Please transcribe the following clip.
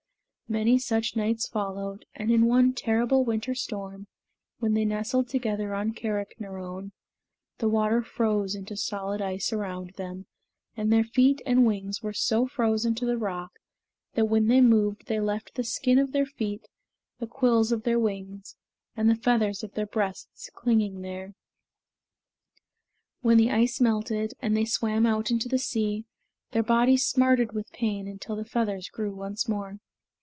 Many such nights followed, and in one terrible winter storm, when they nestled together on Carricknarone, the water froze into solid ice around them, and their feet and wings were so frozen to the rock that when they moved they left the skin of their feet, the quills of their wings, and the feathers of their breasts clinging there. When the ice melted, and they swam out into the sea, their bodies smarted with pain until the feathers grew once more.